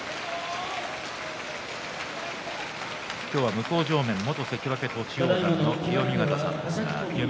向正面は元関脇栃煌山の清見潟さんです。